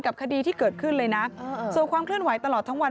คดีที่เกิดขึ้นเลยนะส่วนความเคลื่อนไหวตลอดทั้งวัน